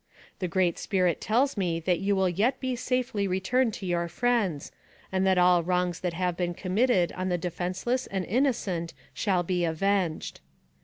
" The Great Spirit tells me that you will yet be safely returned to your friends, and that all wrongs that have been committed on the defenseless and innocent shall be avenged.